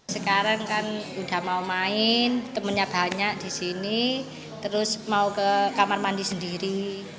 sekarang kan udah mau main temennya banyak di sini terus mau ke kamar mandi sendiri